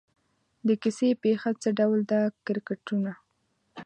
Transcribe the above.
د کیسې پېښه څه ډول ده کرکټرونه.